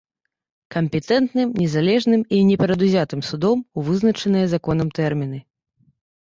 Кампетэнтным, незалежным і непрадузятым судом у вызначаныя законам тэрміны.